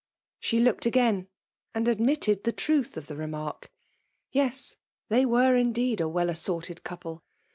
*' She looked ag^in^ and admitted the truth of the remark. Yes ! they were indeed a well assorted couple